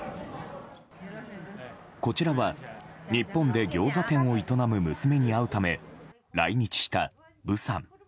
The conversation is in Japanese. こちらは日本でギョーザ店を営む娘に会うため来日したブさん。